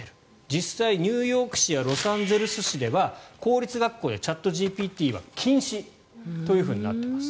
実際、ニューヨーク市やロサンゼルス市では公立学校でチャットＧＰＴは禁止となっています。